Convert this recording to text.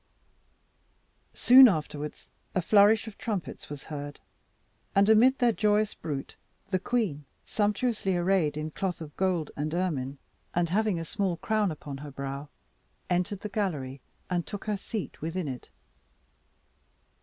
Soon afterwards a flourish of trumpets was heard, and amid their joyous bruit the queen, sumptuously arrayed in cloth of gold and ermine, and having a small crown upon her brow, entered the gallery, and took her seat within it.